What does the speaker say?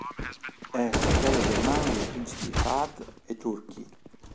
È fratello germano dei principi Fahd e Turkī.